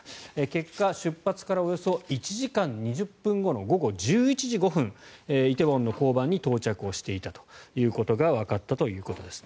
結果、出発からおよそ１時間２０分後の午後１１時５分梨泰院の交番に到着をしていたということがわかったということです。